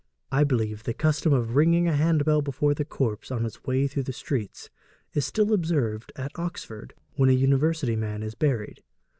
I believe the custom of ringing a handbell before the corpse on its way through the streets is still observed at Oxford, when a university man is buried.